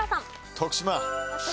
徳島。